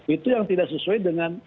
itu yang tidak sesuai dengan